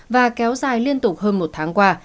và kéo dài liên tục hơn một tháng qua